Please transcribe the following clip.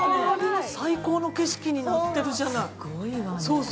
最高の景色になってるじゃない。